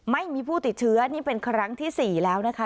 ไม่มีผู้ติดเชื้อนี่เป็นครั้งที่๔แล้วนะคะ